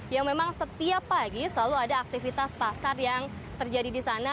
yang memang setiap pagi selalu ada aktivitas pasar yang terjadi di sana